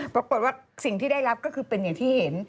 ปรากฏว่าสิ่งที่ได้รับก็คือเป็นอย่างที่เห็น